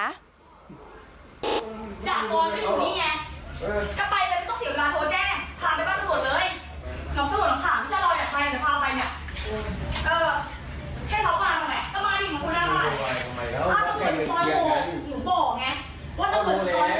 เนสยังกู่าพี่ยังหวอกในนั้น